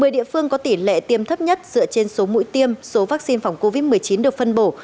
một mươi địa phương có tỷ lệ tiêm thấp nhất dựa trên số mũi tiêm số vaccine phòng covid một mươi chín được phân bổ